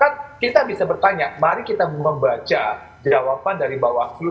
kan kita bisa bertanya mari kita membaca jawaban dari bawah seluruh